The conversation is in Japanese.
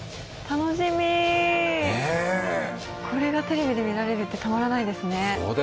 楽しみ、これがテレビで見られるってたまらないですね。